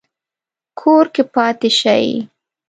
کور کې پاتې شئ